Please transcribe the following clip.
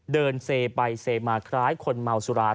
เดินเซไปเซมาคล้ายคนเมาสุรา